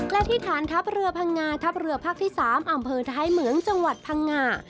และที่ฐานทัพเรือพังงาทัพเรือภาคที่๓อำเภอท้ายเหมืองจังหวัดพังงา